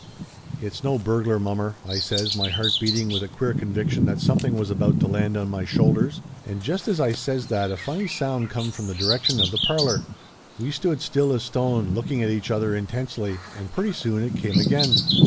"It's no burglar, mommer," I says, my heart beating with a queer conviction that something was about to land on my shoulders. And just as I says that a funny sound come from the direction of the parlor. We stood still as stone looking at each other in tensely, and pretty soon it came again.